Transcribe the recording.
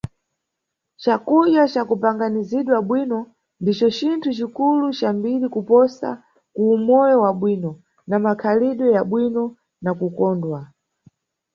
Cakudya ca kupanganizidwa bwino ndico cinthu cikulu ca mbiri kuposa ku umoyo wabwino, na makhalidwe ya bwino na kukondwa.